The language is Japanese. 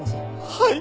はい。